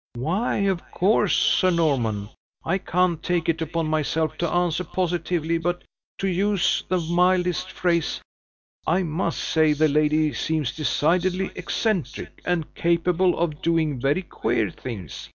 "Why, of course, Sir Norman, I can't take it upon myself to answer positively; but, to use the mildest phrase, I must say the lady seems decidedly eccentric, and capable of doing very queer things.